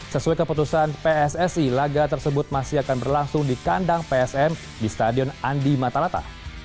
sesuai keputusan pssi laga tersebut masih akan berlangsung di kandang psm di stadion andi matalata